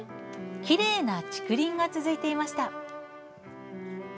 きれいな竹林が続いていました。